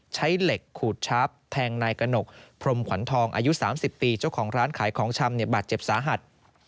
ใช้เหล็กขูดชับแทงนายกระหนกพรมขวัญทองอายุ๓๐ปีเจ้าของร้านขายของชำบาดเจ็บสาหัส